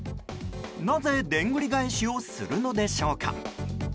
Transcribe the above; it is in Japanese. なぜ、でんぐり返しをするのでしょうか？